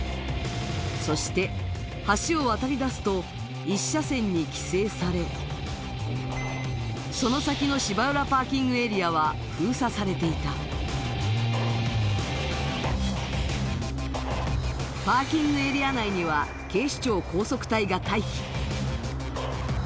そして橋を渡りだすと１車線に規制されその先の芝浦パーキングエリアは封鎖されていたパーキングエリア内には警視庁高速隊が待機